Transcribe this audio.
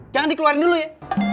jangan dikeluarin dulu ya